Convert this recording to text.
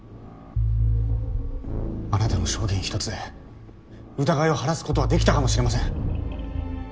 あなたの証言ひとつで疑いを晴らすことは出来たかもしれません。